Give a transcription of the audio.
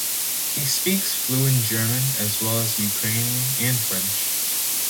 He speaks fluent German as well as Ukrainian and French.